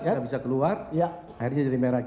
tidak bisa keluar akhirnya jadi merah